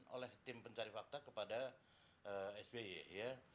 oleh tim pencari fakta kepada sby ya